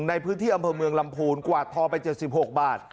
ในพื้นที่อำเภอเมืองลำพูนกวาดทองไป๗๖บาท